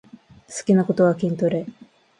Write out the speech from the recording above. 好きなことは筋トレ